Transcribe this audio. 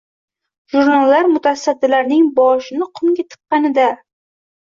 Jurnallar mutasaddilarining boshini qumga tiqqanida.